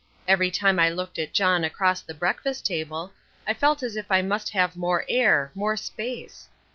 Every time I looked at John across the breakfast table, I felt as if I must have more air, more space.